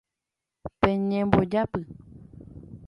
Peñembojápy.